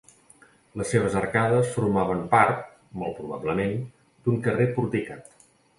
Les seves arcades formaven part, molt probablement, d'un carrer porticat.